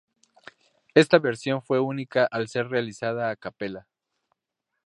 Esta versión fue única al ser realizada a capela.